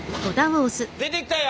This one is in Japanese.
出てきたよ！